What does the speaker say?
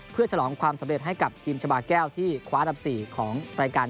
เพื่อฉลองความสำเร็จให้กับทีมชาบาแก้วที่คว้าอันดับ๔ของรายการ